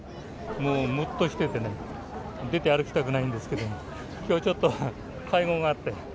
もうむっとしてて、出て歩きたくないんですけど、きょうちょっと買い物があって。